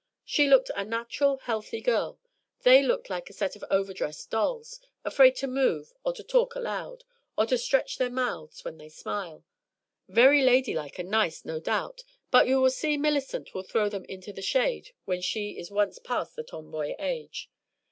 She looked a natural, healthy girl; they looked like a set of overdressed dolls, afraid to move or to talk loud, or to stretch their mouths when they smile; very ladylike and nice, no doubt, but you will see Millicent will throw them into the shade when she is once past the tomboy age.